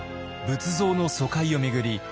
仏像の疎開を巡り